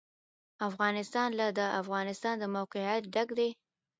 افغانستان له د افغانستان د موقعیت ډک دی.